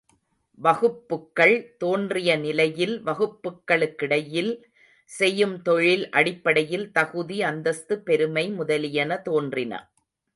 வகுப்புக்கள் தோன்றிய நிலையில் வகுப்புக்களுக்கிடையில், செய்யும் தொழில் அடிப்படையில் தகுதி, அந்தஸ்து, பெருமை முதலியன தோன்றின.